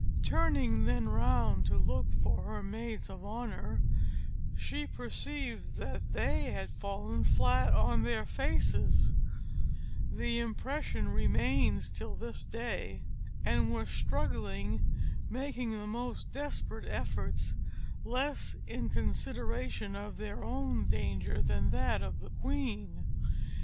Turning then round to look for her maids of honour, she perceived that they had fallen flat on their faces (the impression remains till this day), and were struggling, making the most desperate efforts, less in consideration of their own danger than that of the queen.